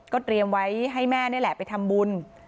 เตรียมไว้ให้แม่นี่แหละไปทำบุญ